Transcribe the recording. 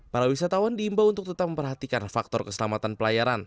para wisatawan diimbau untuk tetap memperhatikan faktor keselamatan pelayaran